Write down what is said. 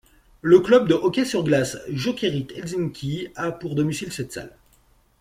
Le club de hockey sur glace Jokerit Helsinki a pour domicile cette salle.